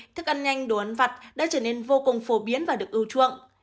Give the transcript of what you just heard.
thức ăn nhanh đồ ăn vặt đã trở nên vô cùng phổ biến và được ưu chuộng